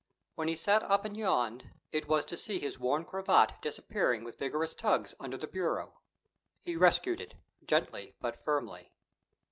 When he sat up and yawned, it was to see his worn cravat disappearing with vigorous tugs under the bureau. He rescued it, gently but firmly.